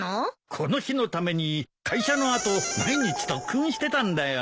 この日のために会社の後毎日特訓してたんだよ。